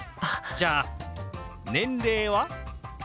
じゃあ年齢は？